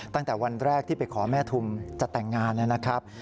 ตั้งแต่วันแรกที่ไปขอแม่ทุมจะแต่งงานนะครับ